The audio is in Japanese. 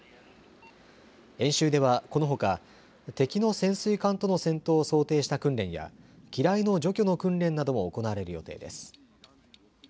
演習ではこのほか敵の潜水艦との戦闘を想定した訓練や機雷の除去の訓練なども行われる予定です。